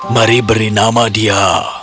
mari beri nama dia